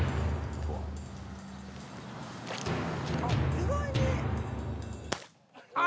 意外に。